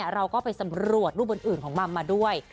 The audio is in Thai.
เราก็ไปสำรวจรูปอื่นของมัมมาด้วย